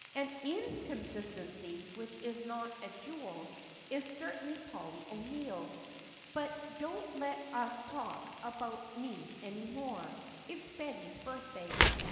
And _in_consistency, which is not a jewel, is certainly Polly O'Neill. But don't let's talk about me any more, it's Betty's birthday.